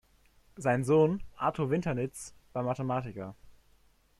Sein Sohn Artur Winternitz war Mathematiker.